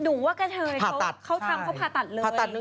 หนูว่ากะเทยเขาทำเขาผ่าตัดเลยผ่าตัดใช่